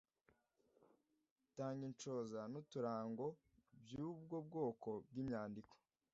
Tanga inshoza n’uturango by’ubwo bwoko bw’imyandiko